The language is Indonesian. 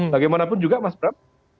bagaimanapun juga mas bram